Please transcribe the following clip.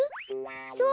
そう。